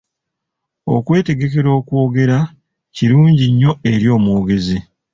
Okwetegekera okwogera kirungi nnyo eri omwogezi.